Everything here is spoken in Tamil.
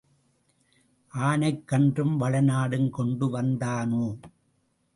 ஆனைக் கன்றும் வளநாடும் கொண்டு வந்தானோ?